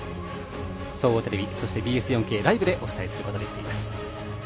総合テレビ、そしてＢＳ４Ｋライブでお伝えすることにしています。